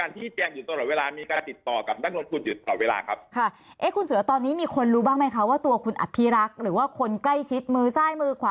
ตอนนี้อยู่ไหนกันหมดคะ